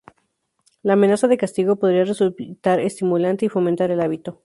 La amenaza de castigo podría resultar estimulante y fomentar el hábito.